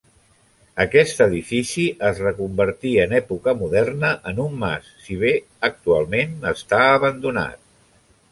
Aquest edifici es reconvertí en època moderna en un mas, si bé actualment està abandonat.